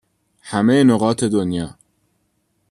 همه نقاط دنیا